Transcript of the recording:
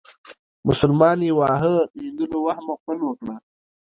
مسلمان يې واهه هندو له وهمه غول وکړه.